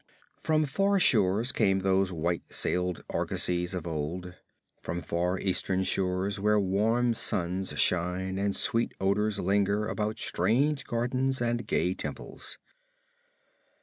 From far shores came those white sailed argosies of old; from far Eastern shores where warm suns shine and sweet odors linger about strange gardens and gay temples.